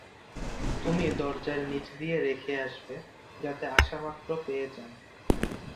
তুমি দরজার নিচ দিয়ে রেখে আসবে, যাতে আসামাত্র পেয়ে যান।